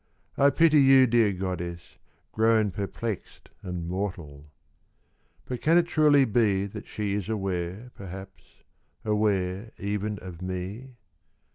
I pity you, dear goddess, grown Perplexed and mortal.' But can it truly be That she is aware, perhaps, aware even of me